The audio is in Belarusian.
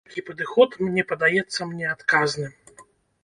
Такі падыход не падаецца мне адказным.